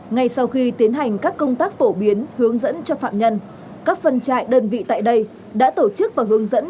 ngay sau khi tiến hành các công tác phổ biến hướng dẫn cho phạm nhân các phân trại đơn vị tại đây đã tổ chức và hướng dẫn